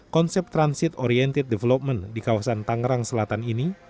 konsep transit oriented development di kawasan tangerang selatan ini